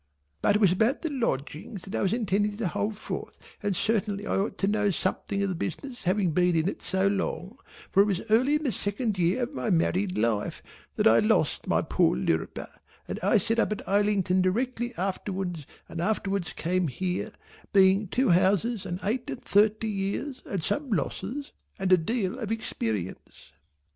But it was about the Lodgings that I was intending to hold forth and certainly I ought to know something of the business having been in it so long, for it was early in the second year of my married life that I lost my poor Lirriper and I set up at Islington directly afterwards and afterwards came here, being two houses and eight and thirty years and some losses and a deal of experience.